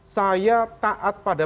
saya taat pada